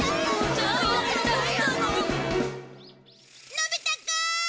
のび太くん！